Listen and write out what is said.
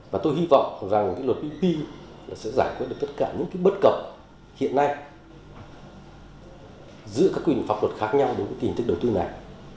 và tôi hy vọng rằng cái luật pp sẽ giải quyết được tất cả những cái bất cậu hiện nay giữa các quyền pháp luật khác nhau đến cái kinh tức đầu tư này